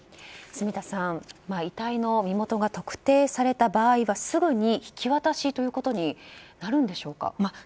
住田さん、遺体の身元が特定された場合はすぐに引き渡しとなるんでしょうか。